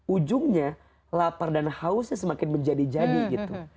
ujungnya lapar dan hausnya semakin menjadi jadi gitu